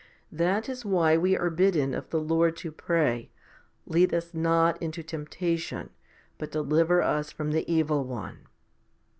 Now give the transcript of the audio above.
4 ' That is why we are bidden of the Lord to pray, Lead us not into temptation, but deliver us from the evil one.